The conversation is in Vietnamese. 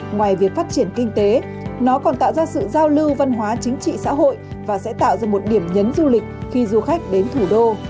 ngoài việc phát triển kinh tế nó còn tạo ra sự giao lưu văn hóa chính trị xã hội và sẽ tạo ra một điểm nhấn du lịch khi du khách đến thủ đô